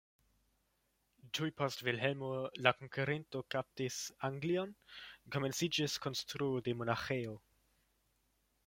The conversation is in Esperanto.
Tuj post Vilhelmo la Konkerinto kaptis Anglion komenciĝis konstruo de monaĥejo.